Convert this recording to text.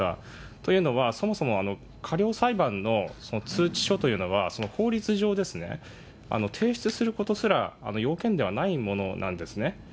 というのは、そもそも過料裁判の通知書というのは、法律上ですね、提出することすら要件ではないものなんですね。